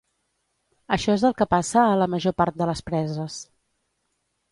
Això és el que passa a la major part de les preses.